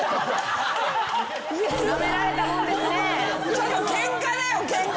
ちょっとケンカだよケンカ。